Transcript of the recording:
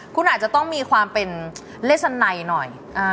คุณอาจจะต้องมีความเป็นเลสไนหน่อย